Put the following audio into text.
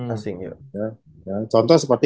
asing ya contohnya seperti